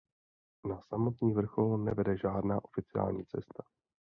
Na samotný vrchol nevede žádná oficiální cesta.